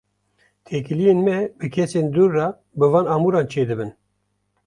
Têkiliyên me bi kesên dûr re, bi van amûran çêdibin.